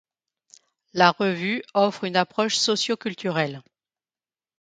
La revue offre une approche socioculturelle.